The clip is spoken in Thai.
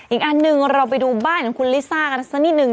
อีกอันหนึ่งเราไปดูบ้านของคุณลิซ่ากันสักนิดนึง